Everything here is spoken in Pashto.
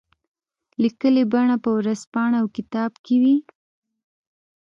لیکلي بڼه په ورځپاڼه او کتاب کې وي.